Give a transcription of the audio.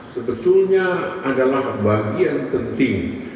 sebetulnya adalah bagian penting